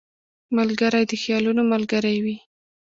ملګری د خیالونو ملګری وي